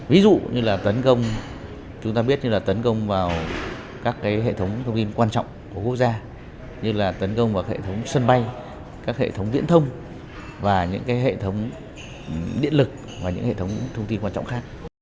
ví dụ như tấn công vào các hệ thống thông tin quan trọng của quốc gia tấn công vào các hệ thống sân bay các hệ thống viễn thông hệ thống điện lực và những hệ thống thông tin quan trọng khác